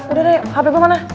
udah deh hp gue mana